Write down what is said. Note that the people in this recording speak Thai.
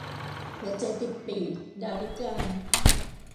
หัวใจติดปีก - ดาริกา